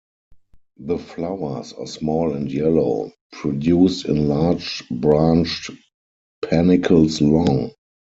The flowers are small and yellow, produced in large branched panicles long.